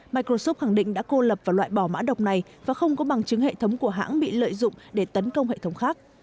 microsoft khẳng định đã cô lập và loại bỏ mã độc này và không có bằng chứng hệ thống của hãng bị lợi dụng để tấn công hệ thống khác